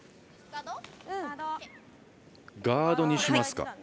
ガードにしますか。